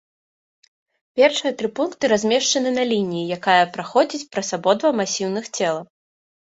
Першыя тры пункты размешчаны на лініі, якая праходзіць праз абодва масіўных цела.